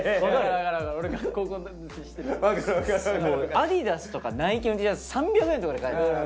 アディダスとかナイキのＴシャツ３００円とかで買えるの。